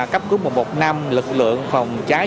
cấp cứu một một năm lực lượng phòng trái